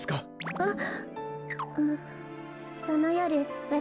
あっ！